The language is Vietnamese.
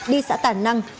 đi xã tà năng